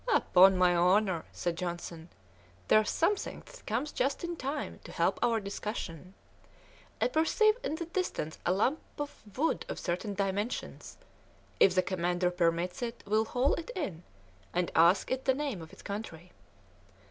"Upon my honour," said Johnson, "there's something that comes just in time to help our discussion. I perceive in the distance a lump of wood of certain dimensions; if the commander permits it we'll haul it in, and ask it the name of its country."